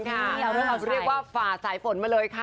เรียกว่าฝ่าสายฝน